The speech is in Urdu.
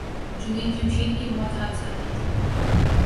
جنید جمشید کی موت حادثاتی تھی۔